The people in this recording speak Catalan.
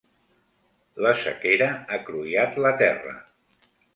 La sequera ha cruiat la terra.